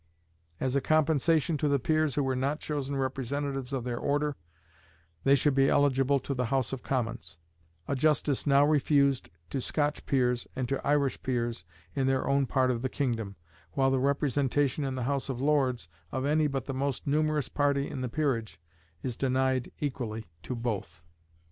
As a compensation to the peers who were not chosen representatives of their order, they should be eligible to the House of Commons; a justice now refused to Scotch peers, and to Irish peers in their own part of the kingdom, while the representation in the House of Lords of any but the most numerous party in the peerage is denied equally to both.